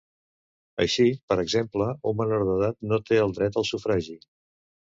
Així, per exemple, un menor d'edat no té el dret al sufragi.